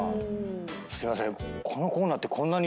すいません。